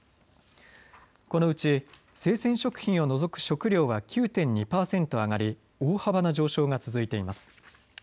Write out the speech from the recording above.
このうち生鮮食品を除く食料は９．２％上がり大幅な上昇が続いています。